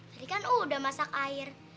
tadi kan oh udah masak air